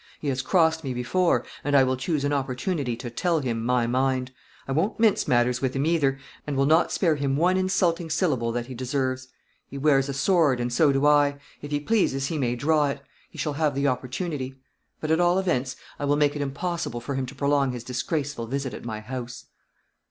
He has crossed me before, and I will choose an opportunity to tell him my mind. I won't mince matters with him either, and will not spare him one insulting syllable that he deserves. He wears a sword, and so do I; if he pleases, he may draw it; he shall have the opportunity; but, at all events, I will make it impossible for him to prolong his disgraceful visit at my house."